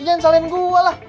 ya jangan salahin gue lah